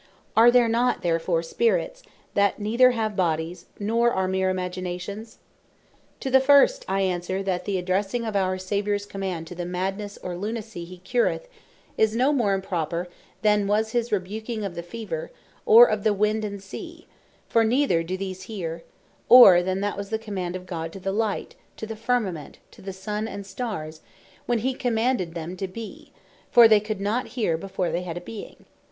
Are there not therefore Spirits, that neither have Bodies, nor are meer Imaginations? To the first I answer, that the addressing of our Saviours command to the Madnesse, or Lunacy he cureth, is no more improper, then was his rebuking of the Fever, or of the Wind, and Sea; for neither do these hear: Or than was the command of God, to the Light, to the Firmament, to the Sunne, and Starres, when he commanded them to bee; for they could not heare before they had a beeing.